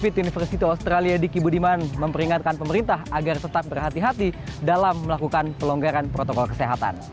covid sembilan belas university australia di kibudiman memperingatkan pemerintah agar tetap berhati hati dalam melakukan pelonggaran protokol kesehatan